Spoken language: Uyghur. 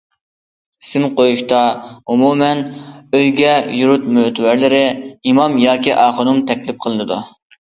ئىسىم قويۇشتا ئومۇمەن ئۆيگە يۇرت مۆتىۋەرلىرى، ئىمام ياكى ئاخۇنۇم تەكلىپ قىلىنىدۇ.